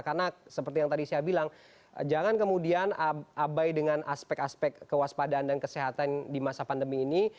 karena seperti yang tadi saya bilang jangan kemudian abai dengan aspek aspek kewaspadaan dan kesehatan di masa pandemi ini